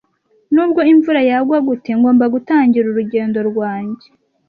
Nubwo imvura yagwa gute, ngomba gutangira urugendo rwanjye.